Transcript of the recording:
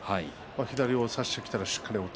左を差してきたらしっかりと押っつ